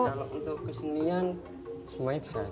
kalau untuk kesenian semuanya bisa